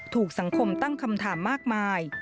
ถูกสังคมตั้งคำถามมากมาย